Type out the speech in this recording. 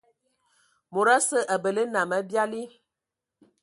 Mod osə abələ nnam abiali.